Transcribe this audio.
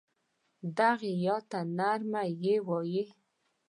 دغې ی ته نرمه یې وايي.